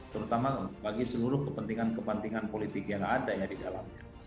terutama bagi seluruh kepentingan kepentingan politik yang ada ya di dalamnya